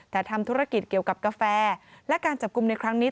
แต่ทำธุรกิจเกี่ยวกับกาแฟและการจับกลุ่มในครั้งนี้